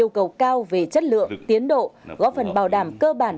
yêu cầu cao về chất lượng tiến độ góp phần bảo đảm cơ bản